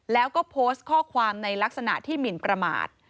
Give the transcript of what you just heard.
แล้วก็โพสต์ข้อความในลักษณะที่หมินประมาท